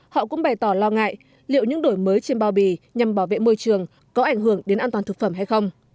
họ cũng bày tỏ lo ngại liệu những đổi mới trên bao bì nhằm bảo vệ môi trường có ảnh hưởng đến an toàn thực phẩm hay không